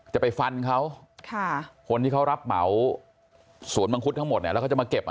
จะไปฟันเขาค่ะคนที่เขารับเหมาสวนมังคุดทั้งหมดเนี่ยแล้วเขาจะมาเก็บ